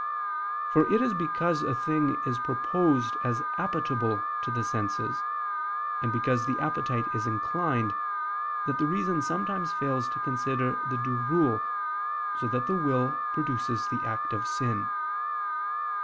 For it is because a thing is proposed as appetible to the senses, and because the appetite is inclined, that the reason sometimes fails to consider the due rule, so that the will produces the act of sin.